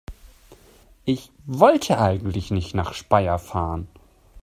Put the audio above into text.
Ich wollte eigentlich nicht nach Speyer fahren